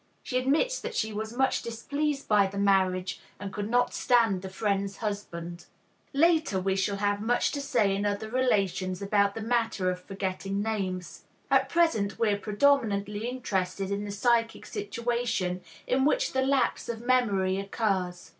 She admits that she was much displeased by the marriage, and could not stand this friend's husband. Later we shall have much to say in other relations about the matter of forgetting names. At present we are predominantly interested in the psychic situation in which the lapse of memory occurs.